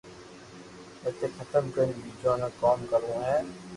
ايني ختم ڪرين بيجو بو ڪوم ڪروُ ھي